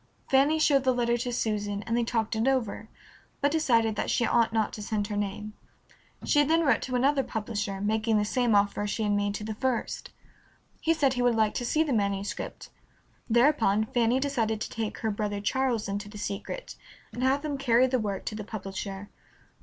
Fanny showed the letter to Susan, and they talked it over, but decided that she ought not to send her name. She then wrote to another publisher, making the same offer as she had made to the first. He said he would like to see the manuscript. Thereupon Fanny decided to take her brother Charles into the secret and have him carry the work to the publisher.